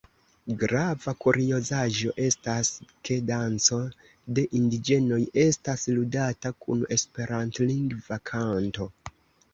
Grava kuriozaĵo estas ke danco de indiĝenoj estas ludata kun esperantlingva kanto.